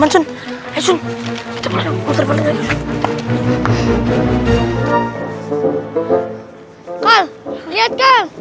itu udah aman